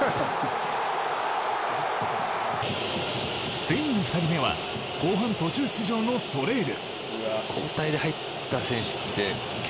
スペインの２人目は後半途中出場のソレール。